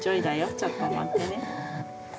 ちょっと待ってね。